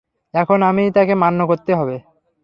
এখন আমি তাকে মান্য করতে হবে।